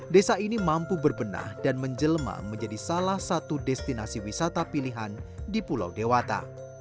desa ini mampu berbenah dan menjelma menjadi salah satu destinasi wisata pilihan di pulau dewata